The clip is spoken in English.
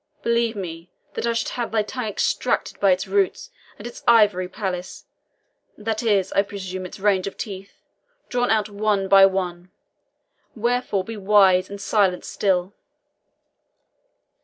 Believe me that I should have thy tongue extracted by the roots, and its ivory palace that is, I presume, its range of teeth drawn out one by one. Wherefore, be wise and silent still."